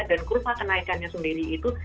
dan kurva kenaikannya sendiri itu